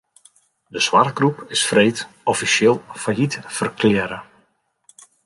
De soarchgroep is freed offisjeel fallyt ferklearre.